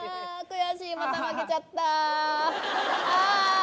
悔しいまた負けちゃったああ